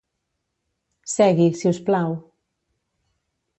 Segui, si us plau.